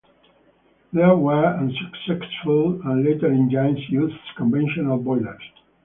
These were unsuccessful, and later engines used conventional boilers.